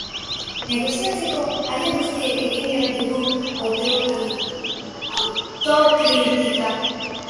Negoziatzeko, alde guztiek egin behar dugu autokritika.